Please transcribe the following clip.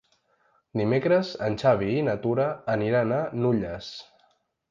Dimecres en Xavi i na Tura aniran a Nulles.